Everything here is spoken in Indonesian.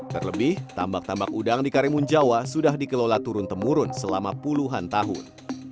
terlebih tambak tambak udang di karimun jawa sudah dikelola turun temurun selama puluhan tahun